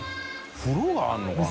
風呂があるのかな？